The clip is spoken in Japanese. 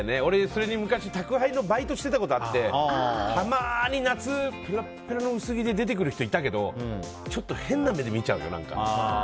それで昔宅配のバイトしてたことがあってたまに夏、ぺらっぺらの薄着で出てくる人いたけどちょっと変な目で見ちゃうよ。